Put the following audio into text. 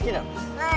はい。